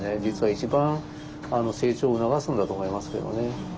実は一番成長を促すんだと思いますけどね。